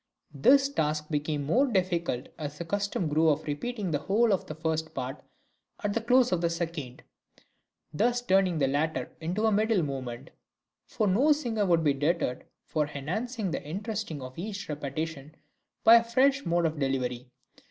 This task became more difficult as the custom grew of repeating the whole of the first part at the close of the second, thus turning the latter into a middle movement; for no singer would be deterred from enhancing the interest of each repetition by a fresh mode of delivery.